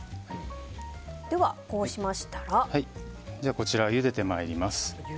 こちらをゆでてまいります。